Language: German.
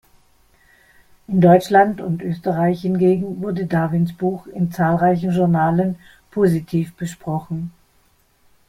In Deutschland und Österreich hingegen wurde Darwins Buch in zahlreichen Journalen positiv besprochen.